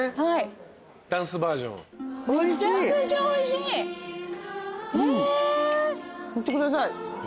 いってください。